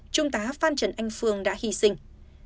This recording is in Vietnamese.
trung tá phan trần anh phương đã hy sinh